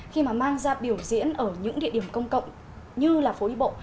khi mà mang ra biểu diễn ở những địa điểm công cộng như là phố đi bộ